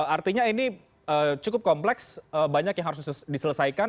artinya ini cukup kompleks banyak yang harus diselesaikan